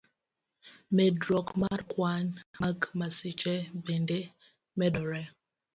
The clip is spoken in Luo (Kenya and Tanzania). Medruok mar kwan mag masiche bende medore.